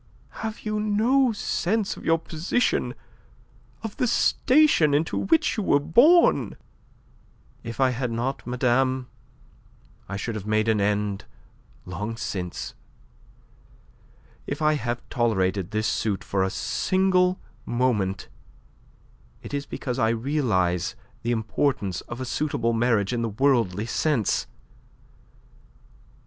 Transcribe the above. Have you no sense of your position, of the station into which you were born?" "If I had not, madame, I should have made an end long since. If I have tolerated this suit for a single moment, it is because I realize the importance of a suitable marriage in the worldly sense.